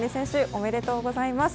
おめでとうございます。